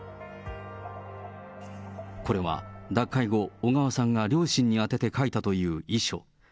これは脱会後、小川さんが両親に宛てて書いたという遺書。